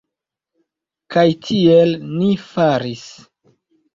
Kaj tiel ni faris.